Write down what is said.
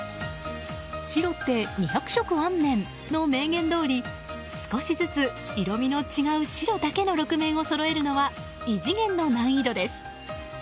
白って２００色あんねん！の名言どおり少しずつ色味の違う白だけの６面をそろえるのは異次元の難易度です。